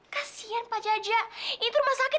kasian pak jajah itu rumah sakit tau gak